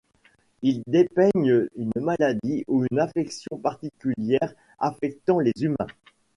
Ils dépeignent une maladie ou une affection particulière affectant les humains.